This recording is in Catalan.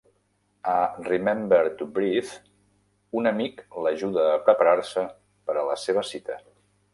A "Remember to Breathe", un amic l'ajuda a preparar-se per a la seva cita.